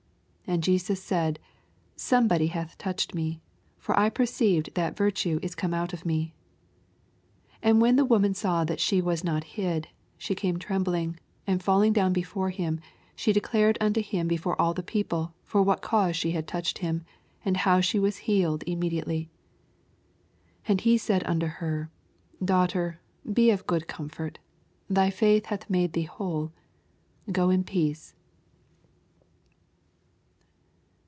46 And Jesus said. Somebody hath touched me : for I perceive that virtue is f one out of me. 47 And when the woman saw that she was not hid, she came trembling, and faUing down before him, she de clared unto him before all the people for what cause she had touched him, and how she was healed immediately. 48 And he said unto her. Daughter, be of good comfort : thy faith hath made thee whole ; go in peace.